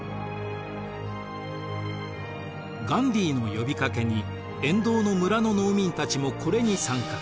ガンディーの呼びかけに沿道の村の農民たちもこれに参加。